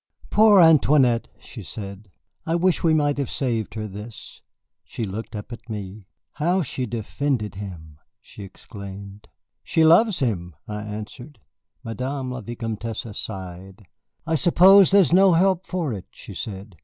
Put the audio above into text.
"Poor Antoinette!" she said, "I wish we might have saved her this." She looked up at me. "How she defended him!" she exclaimed. "She loves him," I answered. Madame la Vicomtesse sighed. "I suppose there is no help for it," she said.